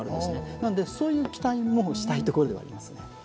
なのでそういう期待もしたいところではありますね。